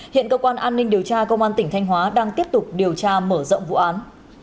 hiện cơ quan an ninh điều tra công an tỉnh thanh hóa đang tiếp tục điều tra mở rộng vụ án